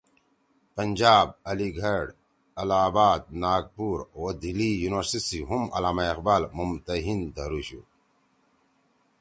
پنجاب، علی گڑھ، الہٰ آباد، ناگ پور او دہلی یونیورسٹی سی ہُم علامہ اقبال ممتحِن ) امتحان گھیِنُو والا( دھرُوشُو